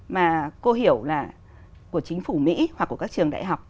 mà cô hiểu là của chính phủ mỹ hoặc của các trường đại học